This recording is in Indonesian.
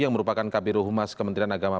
yang merupakan kabiro humas kementerian agama